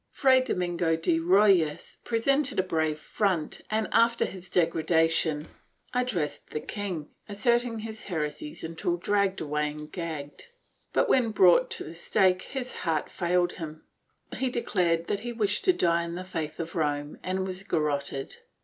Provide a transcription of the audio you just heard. Fray Domingo de Rojas pre sented a brave front and, after his degradation, addressed the king, asserting his heresies until dragged away and gagged, but when brought to the stake his heart failed him; he declared that he wished to die in the faith of Rome and was garroted.